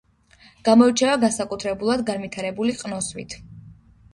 გამოირჩევა განსაკუთრებულად განვითარებული ყნოსვით